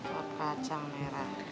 sop kacang merah